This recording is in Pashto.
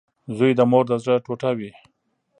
• زوی د مور د زړۀ ټوټه وي.